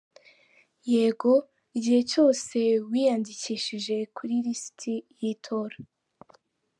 Yego, igihe cyose wiyandikishije kuri lisiti y’itora.